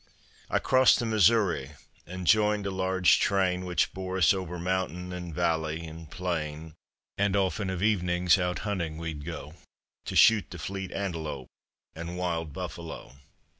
I crossed the Missouri and joined a large train Which bore us over mountain and valley and plain; And often of evenings out hunting we'd go To shoot the fleet antelope and wild buffalo.